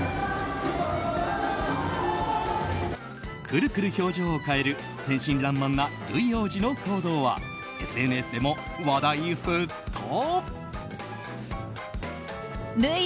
くるくる表情を変える天真らんまんなルイ王子の行動はＳＮＳでも話題沸騰。